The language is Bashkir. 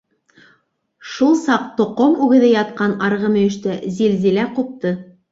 Шул саҡ тоҡом үгеҙе ятҡан арғы мөйөштә зилзилә ҡупты: